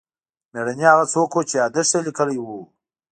مېړنی هغه څوک و چې یادښت یې لیکلی و.